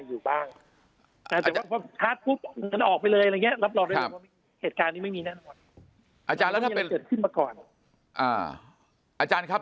อยู่บ้างแต่ว่าก็ชาร์จปุ๊บ